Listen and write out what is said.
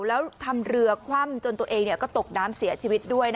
แล้วทำเรือคว่ำจนตัวเองก็ตกน้ำเสียชีวิตด้วย